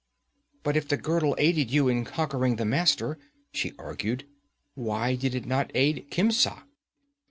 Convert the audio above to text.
'But if the girdle aided you in conquering the Master,' she argued, 'why did it not aid Khemsa?'